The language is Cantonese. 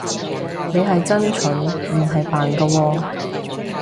你係真蠢，唔係扮㗎喎